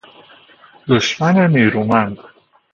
دشمن نیرومند